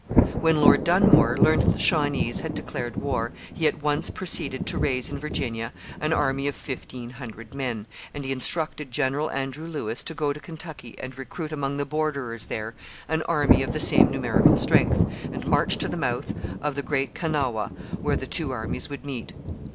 When Lord Dunmore learned that the Shawnees had declared war, he at once proceeded to raise in Virginia an army of fifteen hundred men; and he instructed General Andrew Lewis to go to Kentucky and recruit among the borderers there an army of the same numerical strength, and march to the mouth of the Great Kanawha, where the two armies would meet.